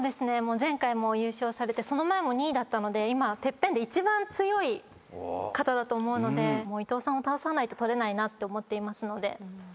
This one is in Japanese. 前回も優勝されてその前も２位だったので今ＴＥＰＰＥＮで一番強い方だと思うので伊藤さんを倒さないと取れないなって思っていますので。